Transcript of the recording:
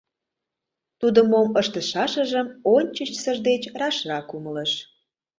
Тудо мом ыштышашыжым ончычсыж деч рашрак умылыш.